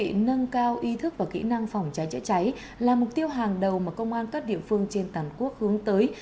công an huyện nghĩa hành có cao ý thức và kỹ năng phòng cháy chữa cháy là mục tiêu hàng đầu mà công an các địa phương trên tàn quốc hướng tới